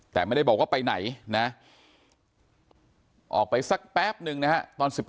แต่ไม่ได้บอกว่าไปไหนนะออกไปสักแป๊บนึงนะฮะตอน๑๑